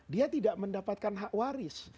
dia tidak mendapatkan hak waris